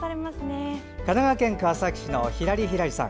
神奈川県川崎市のひらりひらりさん。